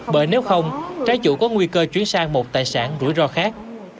bởi nếu không trái chủ có nguy cơ chuyển sang một tài sản rủi ro khác